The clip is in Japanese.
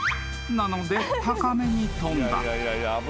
［なので高めに跳んだ］